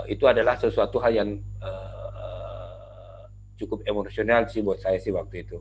itu adalah sesuatu hal yang cukup emosional sih buat saya sih waktu itu